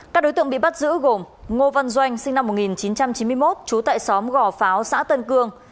các đối tượng bị bắt giữ gồm ngô văn doanh sinh năm một nghìn chín trăm chín mươi một trú tại xóm gò pháo xã tân cương